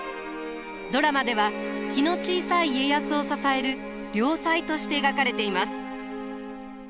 ドラマでは気の小さい家康を支える良妻として描かれています。